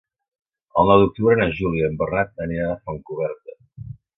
El nou d'octubre na Júlia i en Bernat aniran a Fontcoberta.